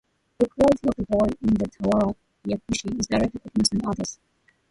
The cruelty of the boy in the "Tawara Yakushi" is directed at innocent others.